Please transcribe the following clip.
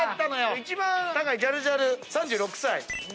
一番高いジャルジャル３６歳。